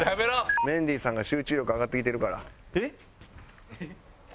メンディーさんが集中力上がってきてるから。